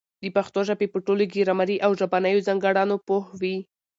د پښتو ژبي په ټولو ګرامري او ژبنیو ځانګړنو پوه وي.